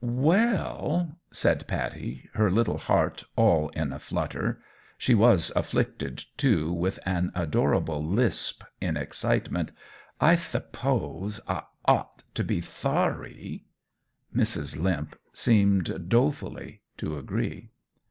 "Well," said Pattie, her little heart all in a flutter she was afflicted, too, with an adorable lisp in excitement "I th'pothe I ought t' be thorry." Mrs. Limp seemed dolefully to agree.